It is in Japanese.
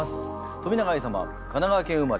冨永愛様神奈川県生まれ。